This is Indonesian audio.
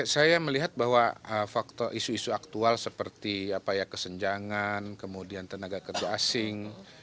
saya melihat bahwa faktor isu isu aktual seperti kesenjangan kemudian tenaga kerja asing